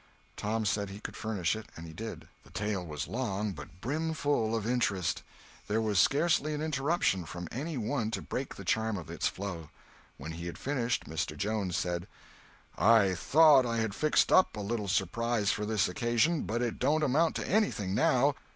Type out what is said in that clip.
Tom said he could furnish it, and he did. The tale was long, but brimful of interest. There was scarcely an interruption from any one to break the charm of its flow. When he had finished, Mr. Jones said: "I thought I had fixed up a little surprise for this occasion, but it don't amount to anything now.